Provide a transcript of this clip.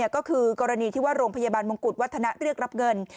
ก็คือกรณีที่ว่าโรงพยาบาลมงกุฎวัฒนะเรียกรับเงิน